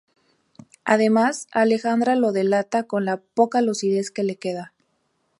Además, Alejandra lo delata con la poca lucidez que le queda.